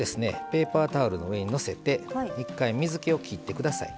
ペーパータオルの上にのせて一回水けをきって下さい。